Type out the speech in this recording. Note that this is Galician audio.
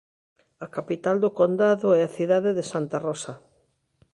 A capital do condado é a cidade de Santa Rosa.